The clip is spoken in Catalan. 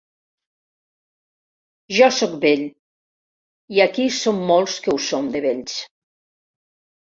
Jo soc vell i aquí som molts que ho som de vells.